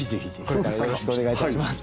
今回よろしくお願いいたします。